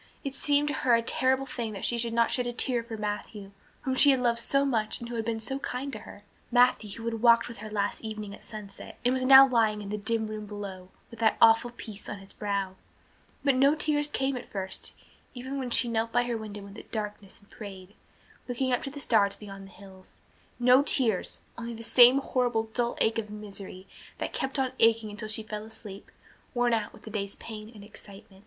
It seemed to her a terrible thing that she could not shed a tear for Matthew, whom she had loved so much and who had been so kind to her, Matthew who had walked with her last evening at sunset and was now lying in the dim room below with that awful peace on his brow. But no tears came at first, even when she knelt by her window in the darkness and prayed, looking up to the stars beyond the hills no tears, only the same horrible dull ache of misery that kept on aching until she fell asleep, worn out with the day's pain and excitement.